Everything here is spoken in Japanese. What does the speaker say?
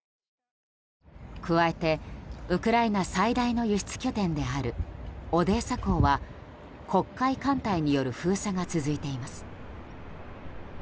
加えてウクライナ最大の輸出拠点であるオデーサ港は黒海艦隊による封鎖が続いています。